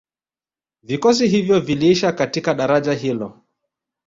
Vikosi hivyo viliishia katika daraja hilo